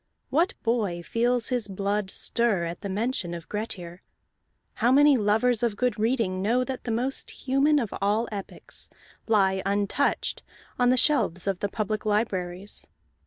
What boy feels his blood stir at the mention of Grettir? How many lovers of good reading know that the most human of all epics lie untouched on the shelves of the public libraries?